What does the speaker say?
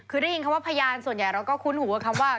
คือได้ยินคำว่าพยานส่วนใหญ่เราก็คุ้นหูกับคำว่า